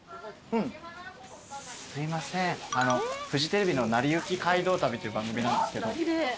すいませんフジテレビの『なりゆき街道旅』っていう番組なんですけど。